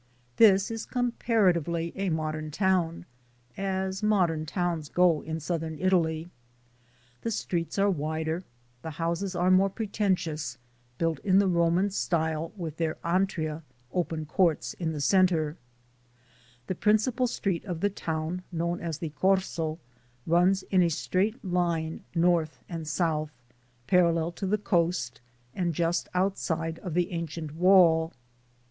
This is compara tively a modern town, as modern towns go in south ern Italy. The streets are wider, the houses are more pretentious, built in the Roman style with their 6 THE SOUL OF AN IMMIGRANT "antria" open courts in the center. The prin cipal street of the town, known as the "Corso," runs in a straight line north and south, parallel to the coast and just outside of the ancient wall.